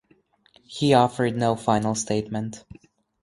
He offered no final statement.